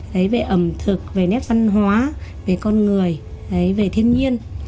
đấy về ẩm thực về nét văn hóa về con người đấy về thiên nhiên